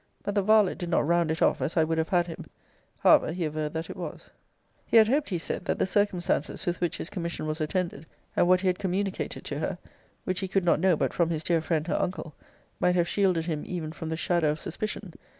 But the varlet did not round it off as I would have had him. However, he averred that it was. He had hoped, he said, that the circumstances with which his commission was attended, and what he had communicated to her, which he could not know but from his dear friend, her uncle, might have shielded him even from the shadow of suspicion.